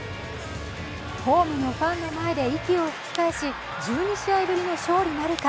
ホームのファンの前で息を吹き返し、１２試合ぶりの勝利なるか。